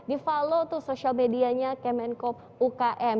langsung saja di follow tuh social medianya kemenkop umkm